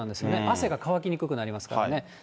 汗が乾きにくくなりますからね。